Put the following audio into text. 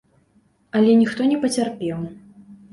Але ніхто не пацярпеў.